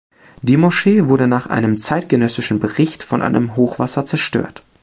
Die Moschee wurde nach einem zeitgenössischen Bericht von einem Hochwasser zerstört.